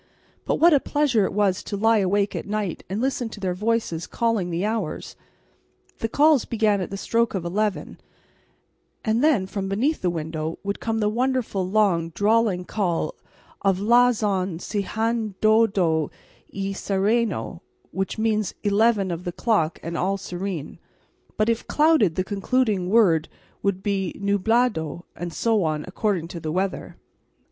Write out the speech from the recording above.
But what a pleasure it was to lie awake at night and listen to their voices calling the hours! The calls began at the stroke of eleven, and then from beneath the window would come the wonderful long drawling call of Las on ce han da do y se re no, which means eleven of the clock and all serene, but if clouded the concluding word would be nu bla do, and so on, according to the weather.